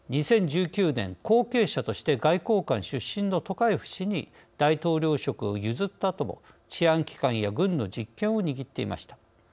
２０１９年後継者として外交官出身のトカエフ氏に大統領職を譲ったあとも治安機関や軍の実権を握っていました。